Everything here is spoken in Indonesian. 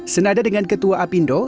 senada dengan ketua apindo